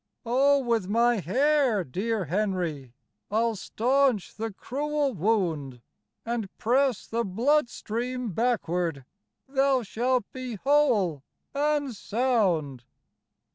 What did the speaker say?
"Oh, with my hair, dear Henry, I'll staunch the cruel wound, And press the blood stream backward; Thou shalt be whole and sound."